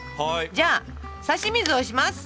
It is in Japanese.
じゃあさし水をします！